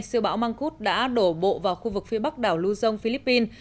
siêu bão mangkut đã đổ bộ vào khu vực phía bắc đảo luzon philippines